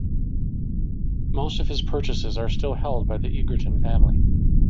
Most of his purchases are still held by the Egerton family.